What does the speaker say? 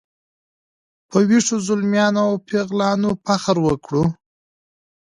په ویښو زلمیانو او پیغلانو فخر وکړو.